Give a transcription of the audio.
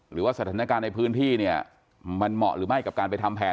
หรือว่าสถานการณ์ในพื้นที่เนี่ยมันเหมาะหรือไม่กับการไปทำแผน